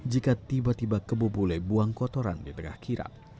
jika tiba tiba kebu bule buang kotoran di tengah kirap